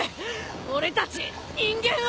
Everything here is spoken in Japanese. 俺たち人間は。